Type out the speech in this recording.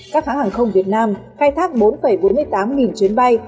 các hãng hàng không việt nam khai thác bốn bốn mươi tám nghìn chuyến bay